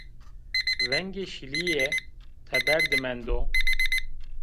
Vengê şilîye teber de mendo